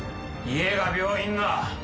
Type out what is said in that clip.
家が病院の。